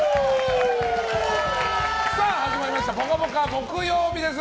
始まりました「ぽかぽか」木曜日です。